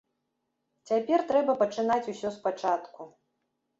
Цяпер трэба пачынаць усё спачатку.